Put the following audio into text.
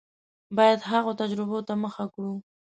باید هغو تجربو ته مخه کړو.